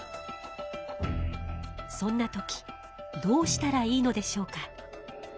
そんな時どうしたらいいのでしょうか？